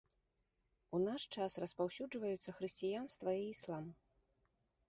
У наш час распаўсюджваюцца хрысціянства і іслам.